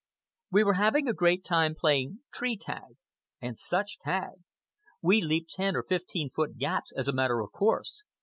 We were having a great time playing tree tag. And such tag! We leaped ten or fifteen foot gaps as a matter of course.